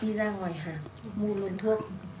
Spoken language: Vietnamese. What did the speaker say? đi ra ngoài hàng mua nguồn thuốc